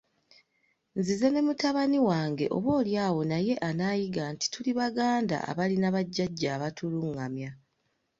Nzize ne mutabani wange oboolyawo naye anaayiga nti tuli Baganda abalina bajjajja abatulungamya.